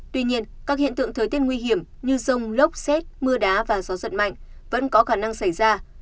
tuy nhiên các hiện tượng thời tiết nguy hiểm như rông lốc xét mưa đá và gió giật mạnh vẫn có khả năng xảy ra